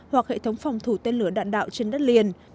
hoặc hệ thống phòng thủ tên lửa đạn đạo trên đất liền